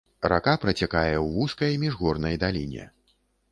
Рака працякае ў вузкай міжгорнай даліне.